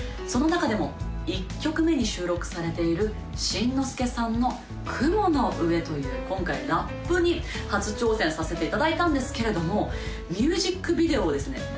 その中でも１曲目に収録されている心之助さんの「雲の上」という今回ラップに初挑戦させていただいたんですけれどもミュージックビデオをですね